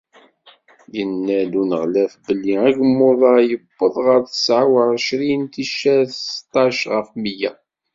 Yenna-d uneɣlaf belli agemmuḍ-a yewweḍ ɣer tesεa u εebεin ticcert seṭṭac ɣef mya.